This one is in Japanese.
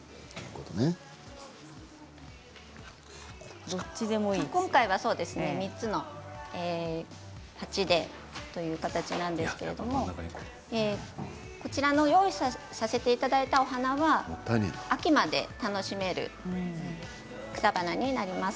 こちらは３つの鉢でという形なんですけどもこちら用意させていただいたお花は秋まで楽しむことができます。